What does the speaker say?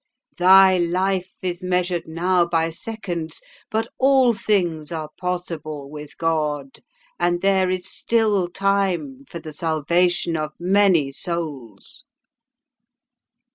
Thy life is measured now by seconds, but all things are possible with God, and there is still time for the salvation of many souls."